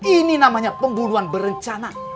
ini namanya penggunaan berencana